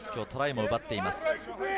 トライも奪っています。